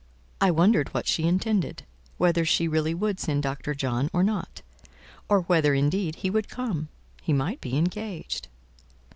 I wondered what she intended: whether she really would send Dr. John or not; or whether indeed he would come: he might be engaged.